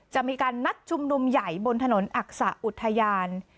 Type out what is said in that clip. จะมีการนัดชุมนุมใหญ่บนถนนอักษะอุทยาน